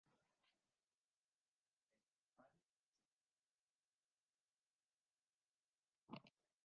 El desempate se jugó tres días más tarde.